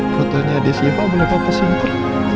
katanya di sini apa boleh papa singkat